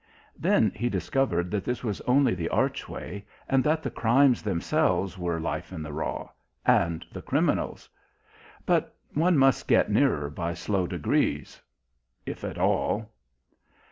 Then he discovered that this was only the archway, and that the crimes themselves were life in the raw and the criminals. But one must get nearer by slow degrees. If at all.